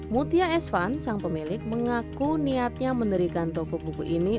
mutia esvan sang pemilik mengaku niatnya menderikan toko buku ini